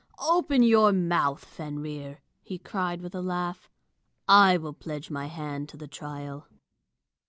"Open your mouth, Fenrir," he cried, with a laugh. "I will pledge my hand to the trial."